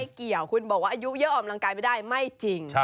เกี่ยวคุณบอกว่าอายุเยอะออกกำลังกายไม่ได้ไม่จริง